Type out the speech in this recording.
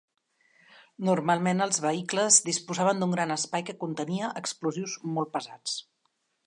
Normalment, els vehicles disposaven d'un gran espai que contenia explosius molt pesats.